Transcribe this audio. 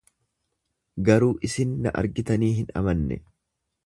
Garuu isin na argitanii hin amanne.